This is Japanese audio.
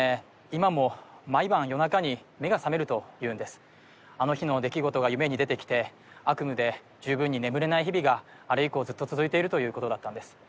今も毎晩夜中に目が覚めるというんですあの日の出来事が夢に出てきて悪夢で十分に眠れない日々があれ以降ずっと続いているということだったんです